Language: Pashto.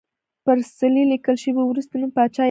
پر څلي لیکل شوی وروستی نوم پاچا یاکس پاساج و